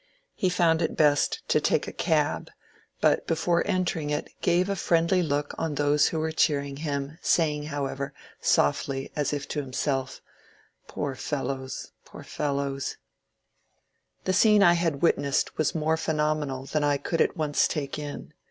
He found it best to take a cab, but before entering it gave a friendly look on those who were cheer ing him, — saying, however, softly, as if to himself, " Poor fellows I poor fellows !" CARLYLE AT ERSKINE'S DINNER 97 The scene I had witnessed was more phenomenal than I could at once take in.